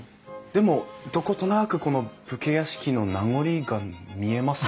でもどことなくこの武家屋敷の名残が見えますよね。